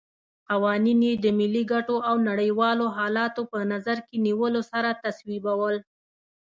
قوانین یې د ملي ګټو او نړیوالو حالاتو په نظر کې نیولو سره تصویبول.